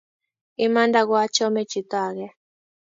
imanda ko achome chito age